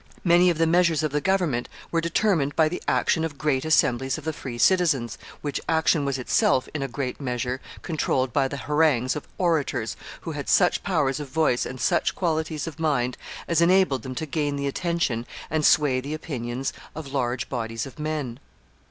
Many of the measures of the government were determined by the action of great assemblies of the free citizens, which action was itself, in a great measure, controlled by the harangues of orators who had such powers of voice and such qualities of mind as enabled them to gain the attention and sway the opinions of large bodies of men.